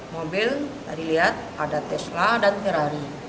mobil tadi lihat ada tesla dan ferrari